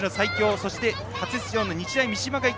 そして、初出場の日大三島。